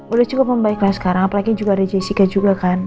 udah cukup membaiklah sekarang apalagi juga ada jessica juga kan